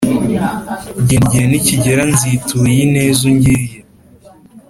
Genda igihe nikigera nzitura iyi neza ungiriye